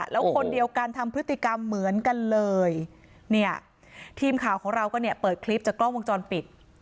แล้วคนเดียวกันทำพฤติกรรมเหมือนกันเลยเนี่ยทีมข่าวของเราก็เนี่ยเปิดคลิปจากกล้องวงจรปิด